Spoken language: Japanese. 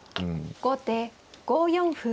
後手５四歩。